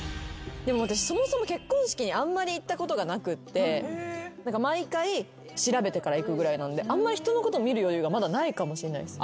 でも私そもそも結婚式にあんまり行ったことがなくって毎回調べてから行くぐらいなんであんまり人のことを見る余裕がまだないかもしれないです。